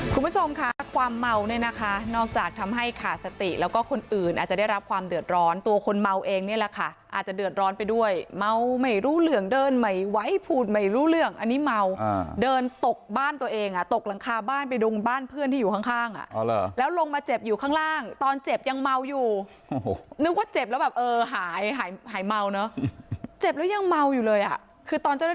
คุณผู้ชมค่ะความเมาเนี่ยนะคะนอกจากทำให้ขาดสติแล้วก็คนอื่นอาจจะได้รับความเดือดร้อนตัวคนเมาเองเนี่ยแหละค่ะอาจจะเดือดร้อนไปด้วยเมาไม่รู้เรื่องเดินไม่ไหวพูดไม่รู้เรื่องอันนี้เมาเดินตกบ้านตัวเองอ่ะตกหลังคาบ้านไปดงบ้านเพื่อนที่อยู่ข้างอ่ะแล้วลงมาเจ็บอยู่ข้างล่างตอนเจ็บยังเมาอยู่นึกว่าเจ็บแล้ว